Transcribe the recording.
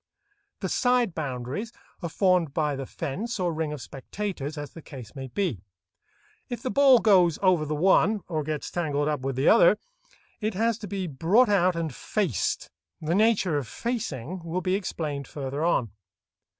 The side boundaries are formed by the fence or ring of spectators, as the case may be. If the ball goes over the one, or gets tangled up with the other, it has to be brought out and "faced." The nature of "facing" will be explained further on.